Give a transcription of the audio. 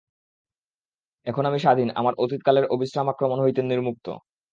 এখন আমি স্বাধীন, আমার অতীতকালের অবিশ্রাম আক্রমণ হইতে নির্মুক্ত।